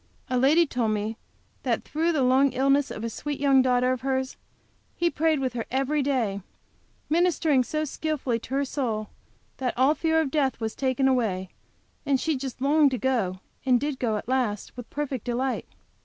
A lady told me that through the long illness of a sweet young daughter of hers, he prayed with her every day, ministering so skillfully to her soul, that all fear of death was taken away, and she just longed to go, and did go at last, with perfect delight.